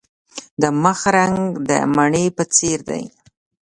د مخ رنګ د مڼې په څیر دی.